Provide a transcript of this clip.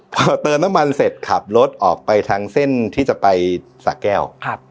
พอเติมน้ำมันเสร็จขับรถออกไปทางเส้นที่จะไปสะแก้ว